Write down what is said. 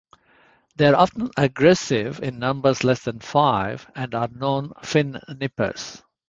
They are often aggressive in numbers less than five, and are known fin nippers.